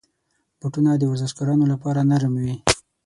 بوټونه د ورزشکارانو لپاره نرم وي.